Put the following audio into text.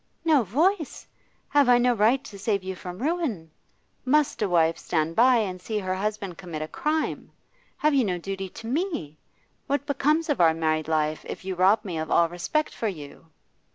'No voice? Have I no right to save you from ruin? Must a wife stand by and see her husband commit a crime? Have you no duty to me? What becomes of our married life if you rob me of all respect for you?